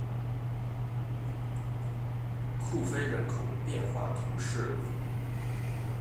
库菲人口变化图示